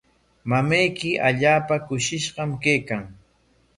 Mamayki allaapa kushishqam kaykan.